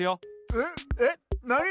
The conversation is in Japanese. えっえっなに！？